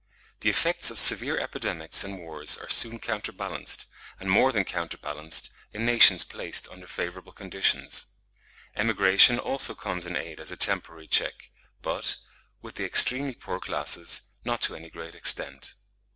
The effects of severe epidemics and wars are soon counterbalanced, and more than counterbalanced, in nations placed under favourable conditions. Emigration also comes in aid as a temporary check, but, with the extremely poor classes, not to any great extent.